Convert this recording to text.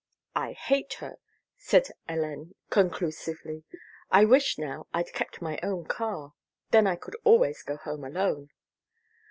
"I hate her," said Hélène conclusively. "I wish now I'd kept my own car. Then I could always go home alone."